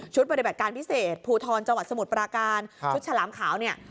ปฏิบัติการพิเศษภูทรจังหวัดสมุทรปราการชุดฉลามขาวเนี่ย